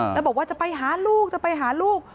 แล้วบอกว่าจะไปหาลูกจะไปหาลูก